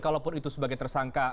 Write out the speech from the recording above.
kalaupun itu sebagai tersangka